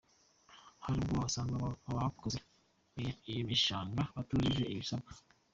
Hari ubwo usanga abakoze iyo mishanga batujuje ibisabwa.